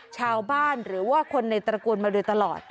ชาวบ้านหรือว่าคนในตระกูลมาโดยตลอด